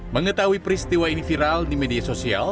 mengetahui peristiwa ini viral di media sosial